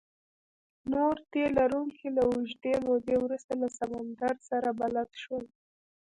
نور تي لرونکي له اوږدې مودې وروسته له سمندر سره بلد شول.